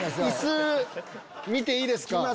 椅子見ていいですか？